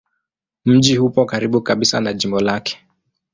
Mji upo karibu kabisa na jimbo lake.